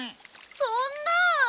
そんなあ！